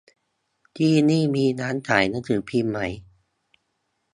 ที่นี่มีร้านขายหนังสือพิมพ์ไหม